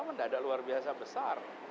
tidak ada luar biasa besar